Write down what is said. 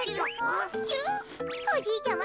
おじいちゃま